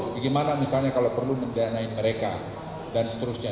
bagaimana misalnya kalau perlu mendanai mereka dan seterusnya